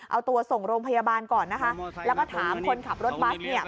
เอาตัวส่งโรงพยาบาลก่อนนะคะแล้วก็ถามคนขับรถบัสเนี่ย